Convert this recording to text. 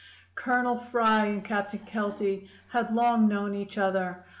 "Colonel Fry and Captain Kelty had long known each other.